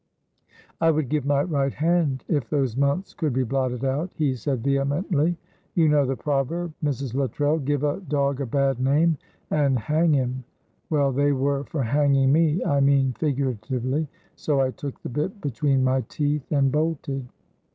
"I would give my right hand if those months could be blotted out," he said, vehemently. "You know the proverb, Mrs. Luttrell 'Give a dog a bad name, and hang him' well, they were for hanging me, I mean figuratively, so I took the bit between my teeth and bolted."